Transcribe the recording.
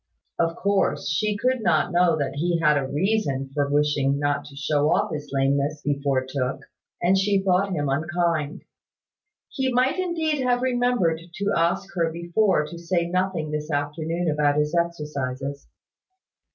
Of course, she could not know that he had a reason for wishing not to show off his lameness before Tooke; and she thought him unkind. He might indeed have remembered to ask her before to say nothing this afternoon about his exercises.